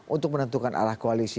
untuk menentukan arah koalisi